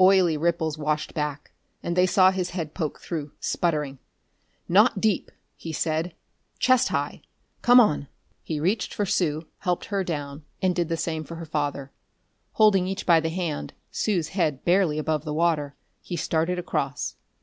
Oily ripples washed back, and they saw his head poke through, sputtering. "Not deep," he said. "Chest high. Come on." He reached for Sue, helped her down, and did the same for her father. Holding each by the hand, Sue's head barely above the water, he started across.